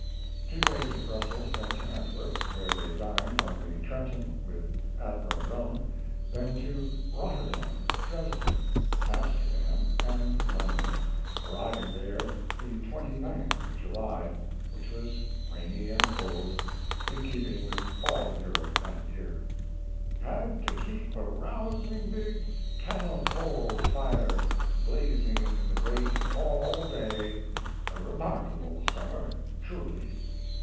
Two days in Brussels, then to Antwerp, where they dined on the Trenton with Admiral Roan, then to Rotterdam, Dresden, Amsterdam, and London, arriving there the 29th of July, which was rainy and cold, in keeping with all Europe that year. Had to keep a rousing big cannel coal fire blazing in the grate all day. A remarkable summer, truly!